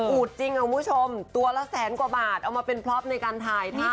จริงคุณผู้ชมตัวละแสนกว่าบาทเอามาเป็นพล็อปในการถ่ายทำ